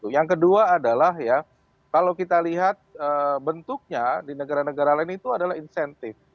yang kedua adalah ya kalau kita lihat bentuknya di negara negara lain itu adalah insentif